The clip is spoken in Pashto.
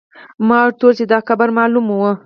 ما ورته وویل چې دا قبر معلوم و.